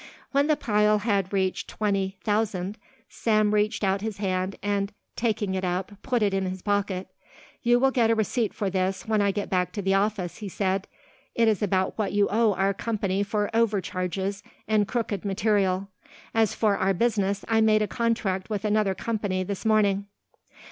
When the pile had reached twenty thousand, Sam reached out his hand and taking it up put it in his pocket. "You will get a receipt for this when I get back to the office," he said; "it is about what you owe our company for overcharges and crooked material. As for our business, I made a contract with another company this morning."